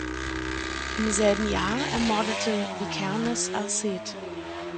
Im selben Jahr ermordete Vikernes Aarseth.